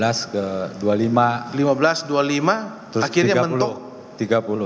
lima belas dua puluh lima akhirnya mentok